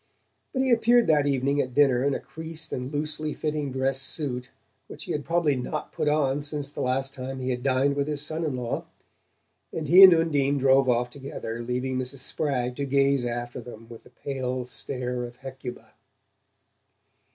But he appeared that evening at dinner in a creased and loosely fitting dress suit which he had probably not put on since the last time he had dined with his son in law, and he and Undine drove off together, leaving Mrs. Spragg to gaze after them with the pale stare of Hecuba.